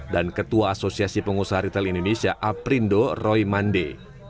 dan ketua asosiasi pengusaha ritel indonesia aprindo roymande